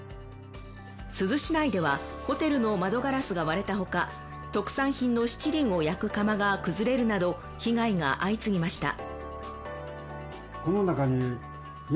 珠洲市内では、ホテルの窓ガラスが割れたほか特産品のしちりんを焼く窯が崩れるなど被害が相次ぎました。